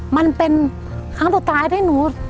มันเป็นครั้งสุดท้ายที่หนู